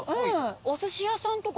おすし屋さんとか。